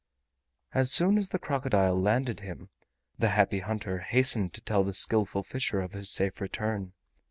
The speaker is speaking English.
As soon as the crocodile landed him, the Happy Hunter hastened to tell the Skillful Fisher of his safe return.